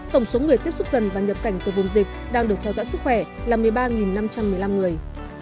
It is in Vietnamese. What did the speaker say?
tổng số người tiếp xúc gần và nhập cảnh từ vùng dịch đang được theo dõi sức khỏe là một mươi ba năm trăm một mươi năm người